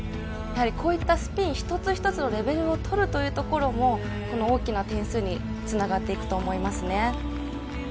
こういったスピン、一つ一つのレベルを取るというところもこの大きな点数につながっていくと思います。